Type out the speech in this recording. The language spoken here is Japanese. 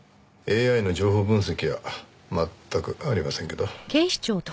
ＡＩの情報分析は全くありませんけど。